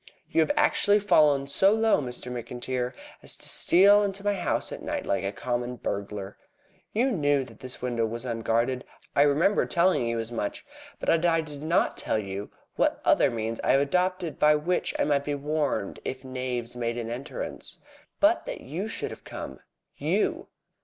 "You have actually fallen so low, Mr. McIntyre, as to steal into my house at night like a common burglar. You knew that this window was unguarded. I remember telling you as much. But I did not tell you what other means I had adopted by which I might be warned if knaves made an entrance. But that you should have come! You!"